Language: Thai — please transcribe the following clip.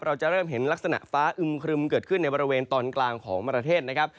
เราจะเริ่มเห็นลักษณะฟ้าอึมครึมเกิดขึ้นในบริเวณตอนกลางของประเทศนะครับ